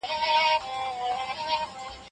له پرښتو ځنې امين ورک دى